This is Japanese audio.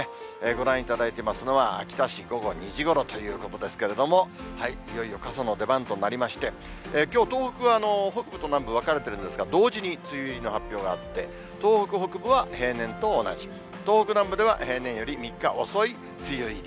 ご覧いただいてますのは、秋田市午後２時ごろということですけれども、いよいよ傘の出番となりまして、きょう、東北は北部と南部、分かれてるんですが、同時に梅雨入りの発表があって、東北北部は平年と同じ、東北南部では平年より３日遅い梅雨入り。